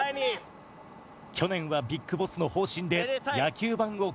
去年はＢＩＧＢＯＳＳの方針で野球ＢＡＮを欠場。